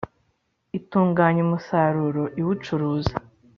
itunganya umusaruro iwucuruza